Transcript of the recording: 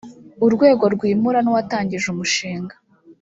urwego rwimura n’uwatangije umushinga